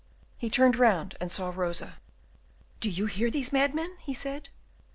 He turned round and saw Rosa. "Do you hear these madmen?" he said.